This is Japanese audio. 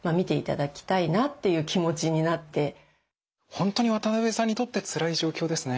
本当に渡辺さんにとってつらい状況ですね。